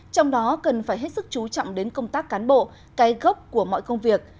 trong đó cần phải hết sức chú trọng đến công tác cán bộ cây gốc của mọi công việc